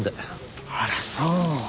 あらそう。